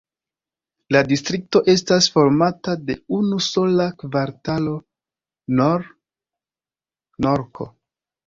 La distrikto estas formata de unu sola kvartalo: Nor-Norko.